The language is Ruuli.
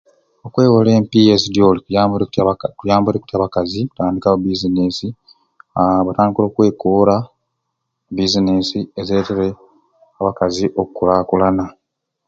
Okwewola empiiya ezidyoli kiyambire kutyai abakazi kiyambire kutyai abakazi okutandikawo ebbiizineesi aa batandikire okwekoora bbiizineesi ezireetere abakazi okunkulaakulana.